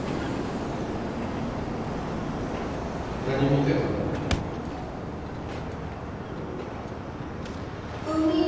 何見てたん？